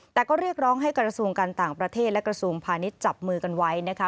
แต่ก็เรียกร้องให้กระทรวงการต่างประเทศและกระทรวงพาณิชย์จับมือกันไว้นะคะ